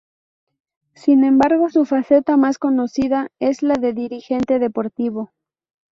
Sin embargo, su faceta más conocida es la de dirigente deportivo.